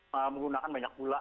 menggunakan banyak gula